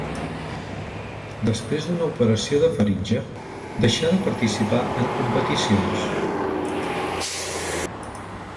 Després d'una operació de faringe deixà de participar en competicions.